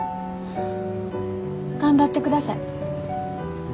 頑張ってください。